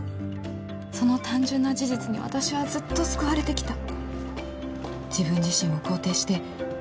その単純な事実に私はずっと救われてきた。